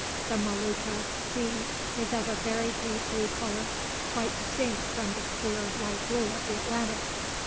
The Molucca sea is of a very deep blue colour, quite distinct from the clear light blue of the Atlantic.